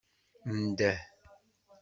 Ndeh.